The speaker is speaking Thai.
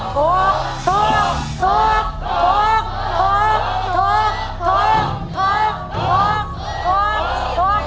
ถูกถูกถูกถูกถูก